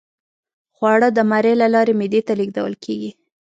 خواړه د مرۍ له لارې معدې ته لیږدول کیږي